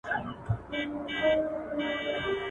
لیکل د معلوماتو په خوندي کولو کي تر اورېدلو غوره دي.